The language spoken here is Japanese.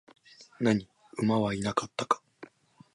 何、馬はいなかったか?